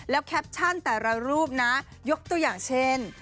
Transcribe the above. แล้วแคปชั่นแต่ละรูปนะยกตัวอย่างเช่น